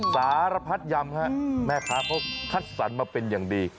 สารพัดยำแม่พระพบคัดสรรมาเป็นอย่างดี